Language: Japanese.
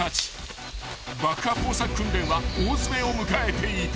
［爆破工作訓練は大詰めを迎えていた］